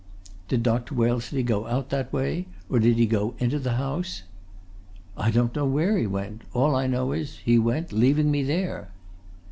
"Did Dr. Wellesley go out that way, or did he go into the house?" "I don't know where he went. All I know is he went, leaving me there."